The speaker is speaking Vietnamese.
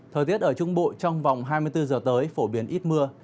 thời tiết ở trung bộ trong vòng hai mươi bốn giờ tới phổ biến ít mưa